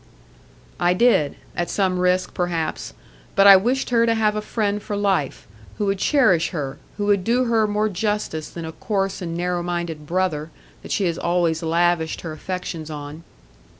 "I did,—at some risk, perhaps. But I wished her to have a friend for life,—who would cherish her, who would do her more justice than a coarse and narrow minded brother, that she has always lavished her affections on."